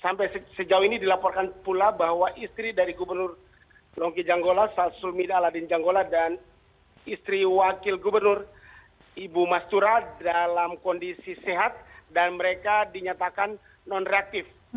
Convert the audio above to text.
sampai sejauh ini dilaporkan pula bahwa istri dari gubernur longki janggola salsul mida aladin janggola dan istri wakil gubernur ibu mastura dalam kondisi sehat dan mereka dinyatakan non reaktif